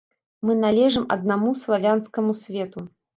Мы належым аднаму славянскаму свету.